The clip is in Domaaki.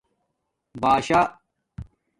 بشْآ